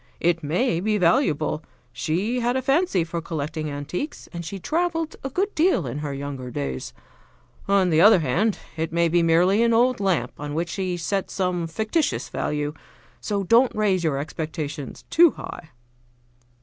It may be valuable; she had a fancy for collecting antiques, and she traveled a good deal in her younger days. On the other hand, it may be merely an old lamp on which she set some fictitious value. So don't raise your expectations too high."